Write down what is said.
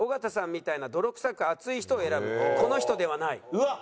うわっ！